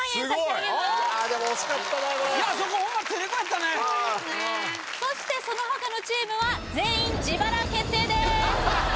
そうですねそしてそのほかのチームは全員自腹決定です